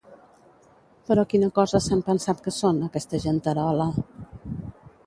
Però quina cosa s'han pensat que són, aquesta genterola?